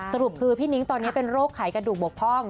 สรุปคือพี่นิ้งตอนนี้เป็นโรคไขกระดูกบกพ่อง